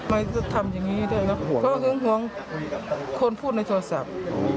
แม่ก็ทำอย่างนี้ด้วยเขาก็ยังหวงคนพูดในโทรศัพท์